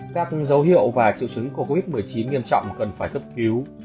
các dấu hiệu và triệu chứng của covid một mươi chín nghiêm trọng cần phải cấp cứu